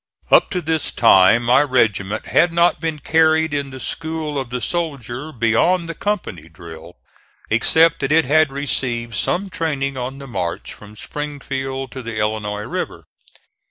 Up to this time my regiment had not been carried in the school of the soldier beyond the company drill, except that it had received some training on the march from Springfield to the Illinois River.